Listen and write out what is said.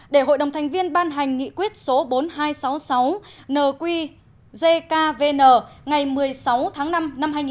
để hội đồng thành viên ban hành nghị quyết số bốn nghìn hai trăm sáu mươi sáu nqvn ngày một mươi sáu tháng năm năm hai nghìn một mươi